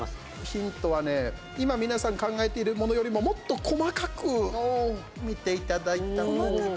ヒントはね、今、皆さんが考えているものよりももっと細かく見ていただいたほうが。